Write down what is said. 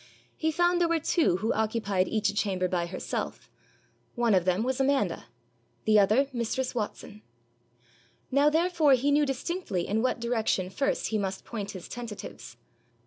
He found there were two who occupied each a chamber by herself; one of them was Amanda, the other mistress Watson. Now therefore he knew distinctly in what direction first he must point his tentatives.